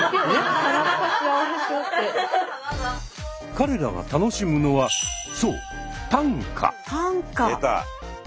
彼らが楽しむのはそう出た。